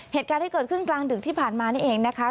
เหตุการณ์ที่เกิดขึ้นกลางดึกที่ผ่านมานี่เองนะคะ